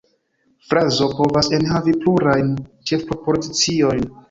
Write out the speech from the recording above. Frazo povas enhavi plurajn ĉefpropoziciojn.